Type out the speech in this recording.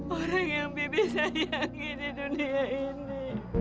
orang yang bibi sayangi di dunia ini